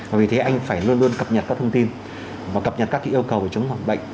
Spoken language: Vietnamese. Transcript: và vì thế anh phải luôn luôn cập nhật các thông tin và cập nhật các yêu cầu về chống hoạt bệnh